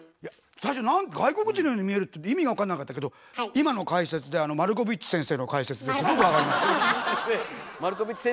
最初外国人のように見えるって意味が分かんなかったけど今の解説であのすごく分かりました。